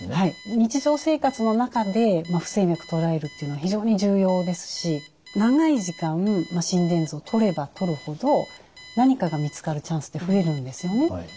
日常生活の中で不整脈を捉えるっていうのは非常に重要ですし長い時間心電図をとればとるほど何かが見つかるチャンスって増えるんですよね。